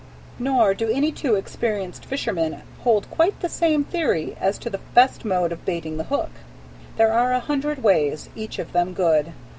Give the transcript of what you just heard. Nor do any two experienced fishermen hold quite the same theory as to the best mode of baiting the hook. There are a hundred ways, each of them good.